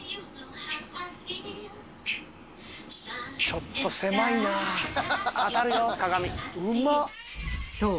ちょっと狭いな。そう！